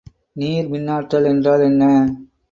நீர்மின்னாற்றல் என்றால் என்ன?